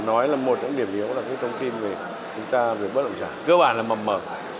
nói là một những điểm yếu là thông tin về bất động sản cơ bản là mầm mở